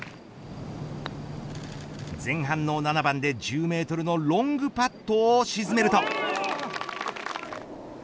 前半の７番で１０メートルのロングパットを沈めると。